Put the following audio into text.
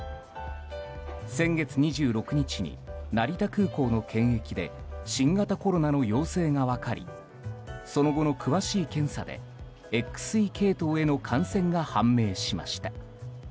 先月２６日に成田空港の検疫で新型コロナの陽性が分かりその後の詳しい検査でＸＥ系統への感染が判明しました。